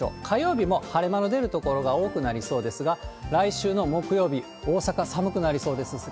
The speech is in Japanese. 火曜日も晴れ間の出る所が多くなりそうですが、来週の木曜日、大阪、寒くなりそうです。